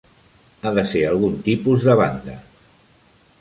Ha de ser algun tipus de banda.